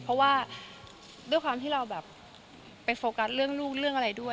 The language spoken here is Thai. เพราะว่าด้วยความที่เราไปโฟกัสเรื่องอะไรด้วย